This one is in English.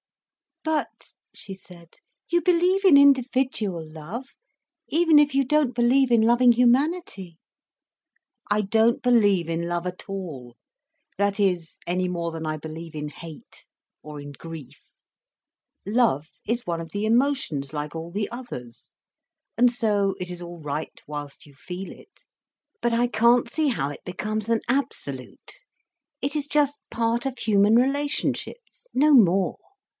"But," she said, "you believe in individual love, even if you don't believe in loving humanity—?" "I don't believe in love at all—that is, any more than I believe in hate, or in grief. Love is one of the emotions like all the others—and so it is all right whilst you feel it. But I can't see how it becomes an absolute. It is just part of human relationships, no more.